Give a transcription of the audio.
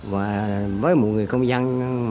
và với một người công dân